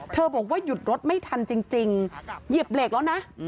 บอกว่าหยุดรถไม่ทันจริงเหยียบเหล็กแล้วนะ